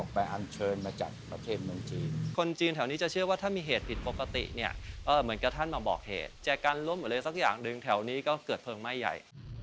ก็รู้สึกว่าแบบสัมผัสถึงความศักดิ์สิทธิ์